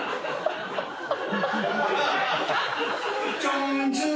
チョンズン！